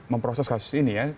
memproses kasus ini ya